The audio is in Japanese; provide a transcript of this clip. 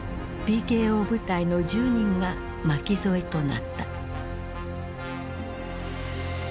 ＰＫＯ部隊の１０人が巻き添えとなった。